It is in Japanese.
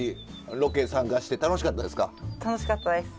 ロケ参加して楽しかったですか？